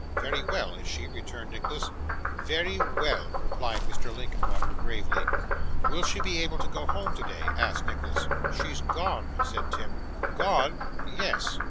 'Very well, is she?' returned Nicholas. 'Very well,' replied Mr. Linkinwater, gravely. 'Will she be able to go home today?' asked Nicholas. 'She's gone,' said Tim. 'Gone!' 'Yes.